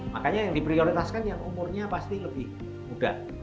makanya yang diprioritaskan yang umurnya pasti lebih muda